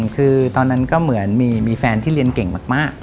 คือตอนนั้นก็เหมือนมีแฟนที่เรียนเก่งมาก